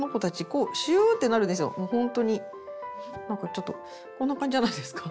ちょっとこんな感じじゃないですか？